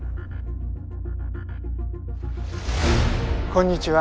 こんにちは。